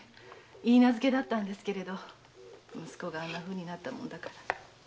許嫁だったんですが息子があんなふうになったものだから。